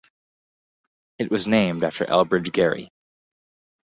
It was named after Elbridge Gerry.